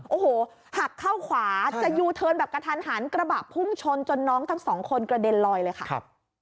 โอ้โหหักเข้าขวาจะยูเทิร์นแบบกระทันหันกระบะพุ่งชนจนน้องทั้งสองคนกระเด็นลอยเลยค่ะครับ